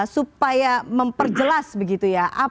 supaya memperjelas begitu ya